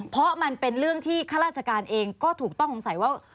เพราะมันเป็นเรื่องที่ข้าราชการเองก็ถูกต้องสงสัยว่า